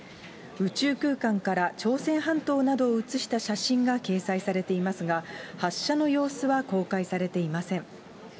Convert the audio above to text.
宇宙空間から朝鮮半島などを写した写真が掲載されていますが、発射の様子は公開されていません。